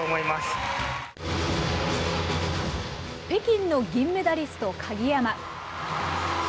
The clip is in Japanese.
北京の銀メダリスト、鍵山。